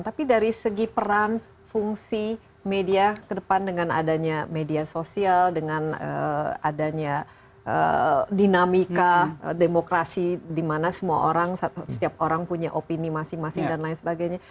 tapi dari segi peran fungsi media ke depan dengan adanya media sosial dengan adanya dinamika demokrasi di mana semua orang setiap orang punya opini masing masing dan lain sebagainya